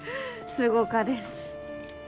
すごかです